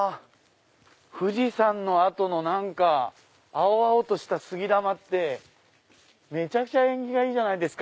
富士山の後の青々とした杉玉ってめちゃくちゃ縁起がいいじゃないですか。